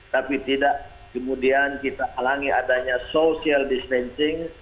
tapi tidak kemudian kita halangi adanya social distancing